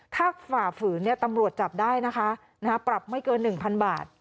ถ้าฝ่าฝืนเนี้ยตำรวจจับได้นะคะนะคะปรับไม่เกินหนึ่งพันบาท